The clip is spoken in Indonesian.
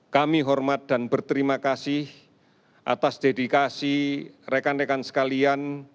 kami hormat dan berterima kasih atas dedikasi rekan rekan sekalian